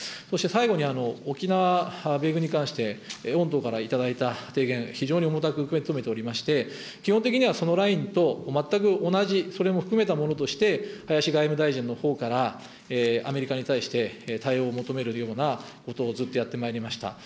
そして最後に沖縄、米軍に関して、御党から頂いた提言、非常に重たく受け止めておりまして、基本的にはそのラインと全く同じ、それも含めたものとして林外務大臣のほうからアメリカに対して対応を求めるようなことをずっとやってまいりました。